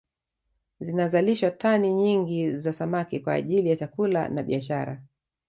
Zinazalishwa tani nyingi za samaki kwa ajili ya chakula na biashara